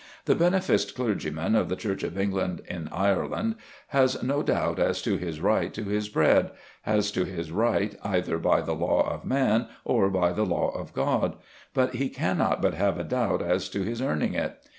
The beneficed clergyman of the Church of England in Ireland has no doubt as to his right to his bread, as to his right either by the law of man or by the law of God; but he cannot but have a doubt as to his earning it.